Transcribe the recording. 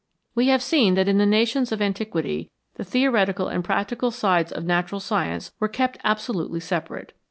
We have seen that in the nations of antiquity the theoretical and practical sides of natural science were kept absolutely separate.